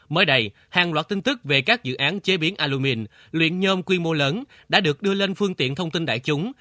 mới đây hàng loạt tin tức về các dự án chế biến alumin luyện nhôm quy mô lớn đã được đưa lên phương tiện thông tin đại chúng